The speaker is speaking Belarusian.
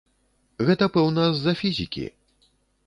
Гэта, пэўна, з-за фізікі.